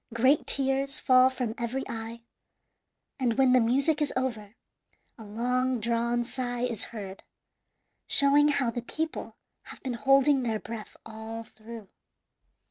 Great tears fall from every eye, and when the music is over a long drawn sigh is heard, showing how the people have been holding their breath all through.